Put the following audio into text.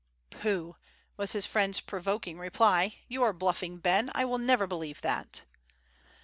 "Pooh!" was his friend's provoking reply, "you are bluffing, Ben; I will never believe that."